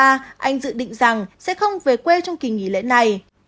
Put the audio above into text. anh dự định rằng sẽ không về quê trong kỳ nghỉ lễ này